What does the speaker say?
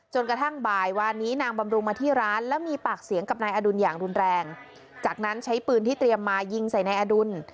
กระทั่งบ่ายวานนี้นางบำรุงมาที่ร้านแล้วมีปากเสียงกับนายอดุลอย่างรุนแรงจากนั้นใช้ปืนที่เตรียมมายิงใส่นายอดุล